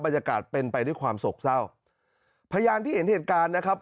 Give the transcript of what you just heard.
บรรยากาศเป็นไปด้วยความโศกเศร้าพยานที่เห็นเหตุการณ์นะครับ